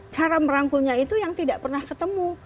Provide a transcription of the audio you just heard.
cara merangkulnya itu yang tidak pernah ketemu